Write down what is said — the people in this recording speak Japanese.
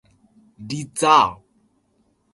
リザーブ